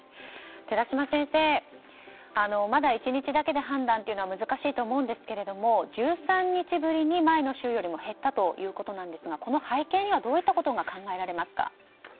寺嶋先生、まだ１日だけで判断というのは難しいと思うんですが１３日ぶりに前の週よりも減ったということなんですがこの背景にはどういったことが考えられますか。